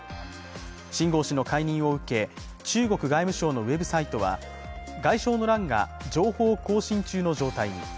秦剛氏の解任を受け、中国外務省のウェブサイトは外相の欄が情報更新中の状態に。